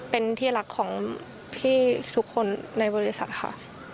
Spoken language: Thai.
เป็นที่รักของพี่ทุกคนในบริษัทค่ะ